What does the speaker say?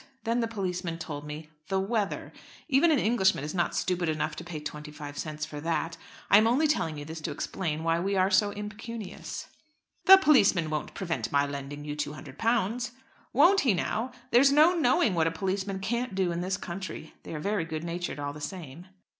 Then the policeman told me 'the weather.' Even an Englishman is not stupid enough to pay twenty five cents for that. I am only telling you this to explain why we are so impecunious." "The policeman won't prevent my lending you £200." "Won't he now? There's no knowing what a policeman can't do in this country. They are very good natured, all the same."